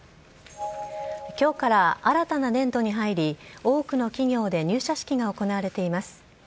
今日から新たな年度に入り多くの企業で入社式が行われています。